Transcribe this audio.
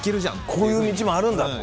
こういう道もあるんだと。